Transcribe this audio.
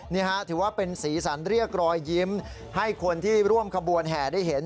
ถือว่าเป็นสีสันเรียกรอยยิ้มให้คนที่ร่วมขบวนแห่ได้เห็น